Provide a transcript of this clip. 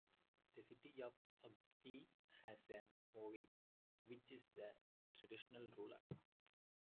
The city of Ughelli has an 'Ovie', which is the traditional ruler.